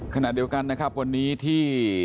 ขณะเดียวกันนะครับวันนี้ที่